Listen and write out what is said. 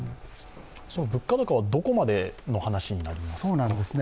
物価高はどこまでの話になりますでしょうか。